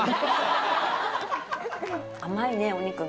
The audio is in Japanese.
甘いねお肉が。